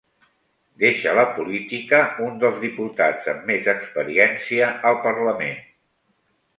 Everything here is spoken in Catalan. Deixa la política un dels diputats amb més experiència al parlament